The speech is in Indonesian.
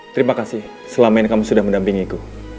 terima kasih selama ini kamu sudah mendampingiku